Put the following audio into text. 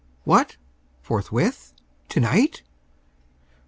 What! forthwith? tonight?